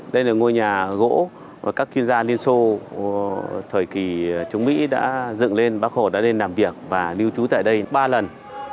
đây là ngôi nhà gỗ và các chuyên gia liên xô thời kỳ chống mỹ đã dựng lên bác hồ đã lên làm việc và lưu trú tại đây ba lần